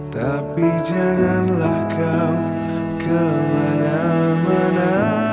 tapi janganlah kau kemana mana